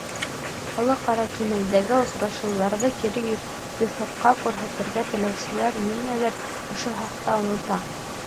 Халыҡ-ара кимәлдәге осрашыуҙарҙы кире юҫыҡта күрһәтергә теләүселәр ниңәлер ошо хаҡта онота.